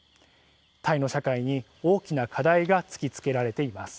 タイの社会に大きな課題が突きつけられています。